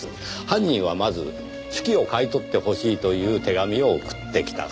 犯人はまず手記を買い取ってほしいという手紙を送ってきた。